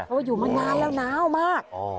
เพราะว่าอยู่มานานแล้วน้าวมาก